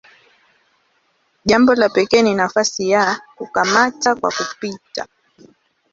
Jambo la pekee ni nafasi ya "kukamata kwa kupita".